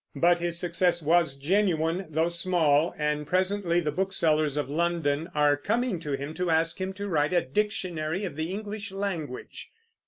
But his success was genuine, though small, and presently the booksellers of London are coming to him to ask him to write a dictionary of the English language.